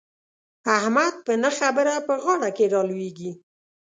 احمد په نه خبره په غاړه کې را لوېږي.